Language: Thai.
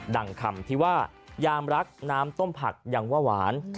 ่งคำที่ว่ายามรักน้ำต้มผักยังว่าหวาน